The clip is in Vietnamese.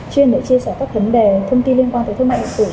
chuyên để chia sẻ các vấn đề thông tin liên quan tới thương mại điện tử